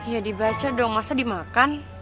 ya dibaca dong masa dimakan